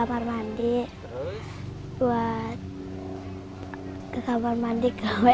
buat kekabar mandi ke wc